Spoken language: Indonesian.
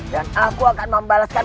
dan aku akan membalaskan